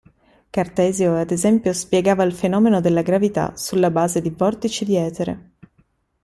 Cartesio ad esempio spiegava il fenomeno della gravità sulla base di vortici di etere.